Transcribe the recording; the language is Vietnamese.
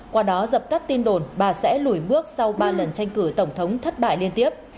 qua đó dập tắt tin đồn bà sẽ lùi bước sau ba lần tranh cử tổng thống thất bại liên tiếp